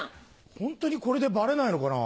ホントにこれでバレないのかな？